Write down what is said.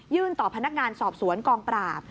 ต่อพนักงานสอบสวนกองปราบ